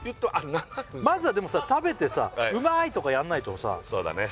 まずはでもさ食べて「うまーい！」とかやんないとさそうだね